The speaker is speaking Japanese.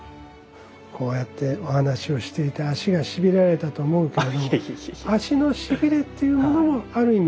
こうやってお話をしていて足がしびれられたと思うけれども足のしびれっていうものもある意味